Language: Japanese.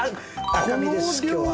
赤身です今日は。